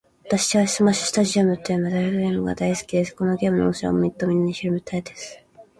私はスマッシュスタジアムというメダルゲームが大好きです。このゲームの面白さをもっとみんなに広めたいです。